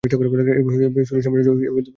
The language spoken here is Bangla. এভাবে সুরি সাম্রাজ্য ভেঙে পড়ে।